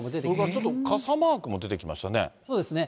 ちょっと傘マークも出てきましたね。